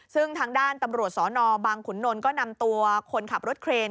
ซึ่งทางด้านตำรวจสนบางขุนนลก็นำตัวคนขับรถเครน